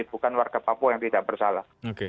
bukan warga papua yang tidak bersalah